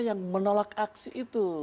yang menolak aksi itu